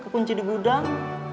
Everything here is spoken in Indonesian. kunci di gudang